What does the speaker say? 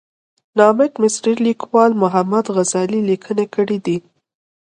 نامت مصري لیکوال محمد غزالي لیکنې کړې دي.